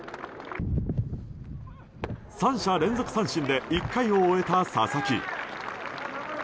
３者連続三振で１回を終えた佐々木。